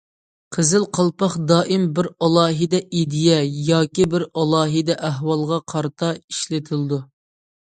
قىزىل قالپاق دائىم بىر ئالاھىدە ئىدىيە ياكى بىر ئالاھىدە ئەھۋالغا قارىتا ئىشلىتىلىدۇ.